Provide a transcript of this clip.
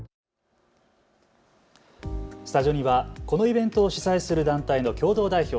スタジオには、このイベントを主催する団体の共同代表